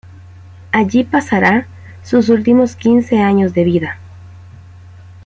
Allí pasará sus últimos quince años de vida.